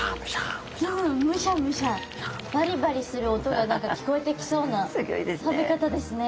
うんむしゃむしゃバリバリする音が何か聞こえてきそうな食べ方ですね。